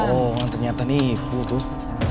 bohongan ternyata nih bu tuh